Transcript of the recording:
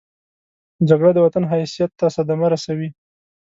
جګړه د وطن حیثیت ته صدمه رسوي